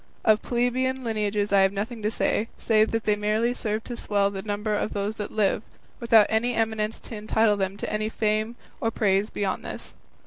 Of plebeian lineages I have nothing to say, save that they merely serve to swell the number of those that live, without any eminence to entitle them to any fame or praise beyond this.